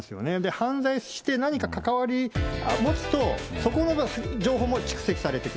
犯罪して、何か関わり持つと、そこの情報も蓄積されてくる。